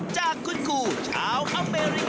จากคุณครูชาวอเมริน